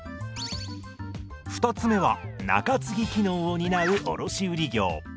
２つ目は仲継機能を担う卸売業。